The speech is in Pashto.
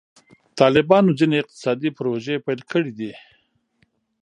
طالبانو ځینې اقتصادي پروژې پیل کړي دي.